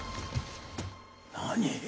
何？